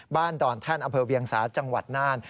บ้านดอนแท่นอำเภอเวียงศาสตร์จังหวัดนาน